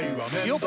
よっ！